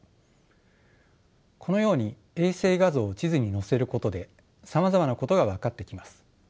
このように衛星画像を地図に載せることでさまざまなことが分かってきます。